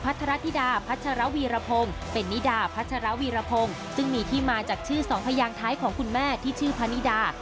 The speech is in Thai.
ทรธิดาพัชรวีรพงศ์เป็นนิดาพัชรวีรพงศ์ซึ่งมีที่มาจากชื่อสองพยางท้ายของคุณแม่ที่ชื่อพะนิดา